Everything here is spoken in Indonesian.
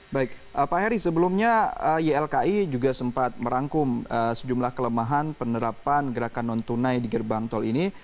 baik pak heri sebelumnya ylki juga sempat merangkum sejumlah kelemahan penerapan gerakan non tunai di gerbang tol ini